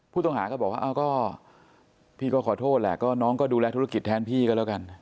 ผู้ต้องหาก็บอกว่าพี่ก็ขอโทษแหละก็น้องก็ดูแลธุรกิจแทนพี่ก็แล้วกัน